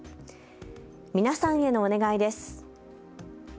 皆さんへのお願いです。